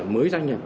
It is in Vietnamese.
mới gia nhập